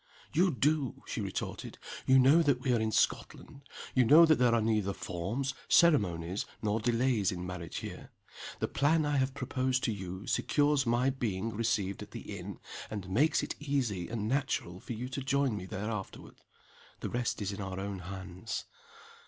"You do!" she retorted. "You know that we are in Scotland. You know that there are neither forms, ceremonies, nor delays in marriage, here. The plan I have proposed to you secures my being received at the inn, and makes it easy and natural for you to join me there afterward. The rest is in our own hands.